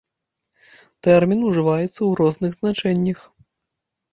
Тэрмін ужываецца ў розных значэннях.